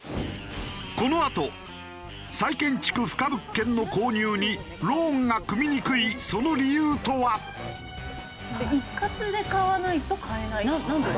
このあと再建築不可物件の購入にローンが組みにくいその理由とは？一括で買わないと買えないとか。